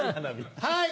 はい。